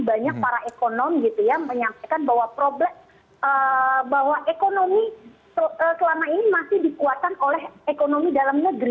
banyak para ekonom gitu ya menyampaikan bahwa ekonomi selama ini masih dikuatkan oleh ekonomi dalam negeri